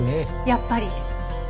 やっぱり。